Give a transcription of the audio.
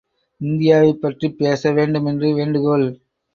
இந்தியாவைப் பற்றிப் பேச வேண்டுமென்று வேண்டுகோள்.